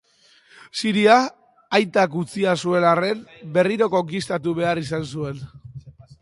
Siria, aitak utzia zuen arren, berriro konkistatu behar izan zuen.